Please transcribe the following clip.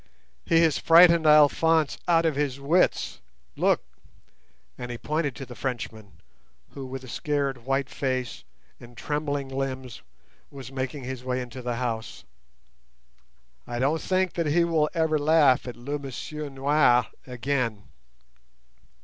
"He has frightened Alphonse out of his wits; look!" and he pointed to the Frenchman, who, with a scared white face and trembling limbs, was making his way into the house. "I don't think that he will ever laugh at 'le monsieur noir' again."